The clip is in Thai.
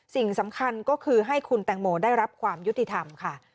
สิ่งสำคัญก็คือให้คุณแตงโมได้รับความยุติธรรมค่ะ